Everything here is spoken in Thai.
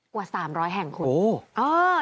กว่า๓๐๐แห่งคุณ